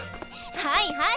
はいはい。